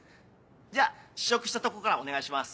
じゃあ試食したとこからお願いします。